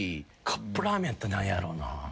カップラーメンやったら何やろうな。